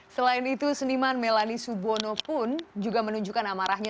selain itu seniman melani subono pun juga menunjukkan amarahnya